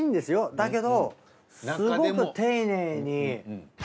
だけどすごく丁寧に。